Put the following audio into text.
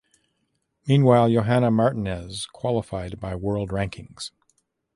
Meanwhile Johana Martinez qualified by world rankings.